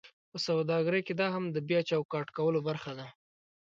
په سوداګرۍ کې دا هم د بیا چوکاټ کولو برخه ده: